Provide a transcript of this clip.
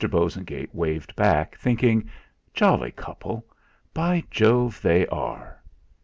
Bosengate waved back, thinking: 'Jolly couple by Jove, they are!'